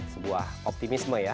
sebuah optimisme ya